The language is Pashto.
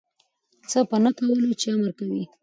څه په نه کولو چی امر کوی